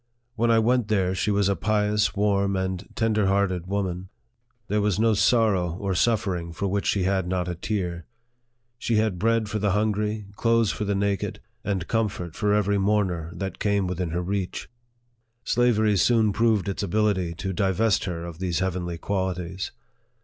When I went there, she was a pious, warm, and ten der hearted woman. There was no sorrow or suffer ing for which she had not a tear. She had bread for the hungry, clothes for the naked, and comfort for every mourner that "came within her reach. Slavery soon proved its ability to divest her of these heavenly qualities.